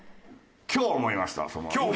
今思いました。